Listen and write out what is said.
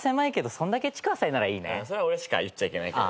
それ俺しか言っちゃいけないけど。